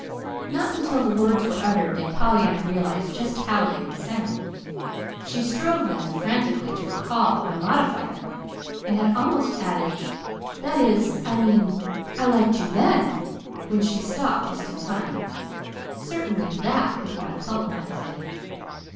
Not until the words were uttered did Pollyanna realize just how they would sound. She strove then, frantically, to recall or modify them and had almost added a "that is, I mean, I liked you THEN!" when she stopped just in time: certainly THAT would not have helped matters any!